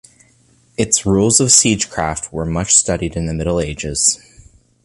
Its rules of siegecraft were much studied in the Middle Ages.